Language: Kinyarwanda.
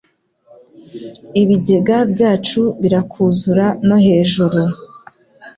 Ibigega byacu birakuzura no hejuru